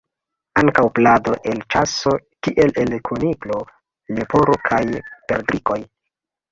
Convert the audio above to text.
Ankaŭ plado el ĉaso, kiel el kuniklo, leporo kaj perdrikoj.